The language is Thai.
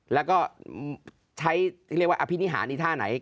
แล้วก็ใช้เรียกว่าอภินิหารในท่าไหน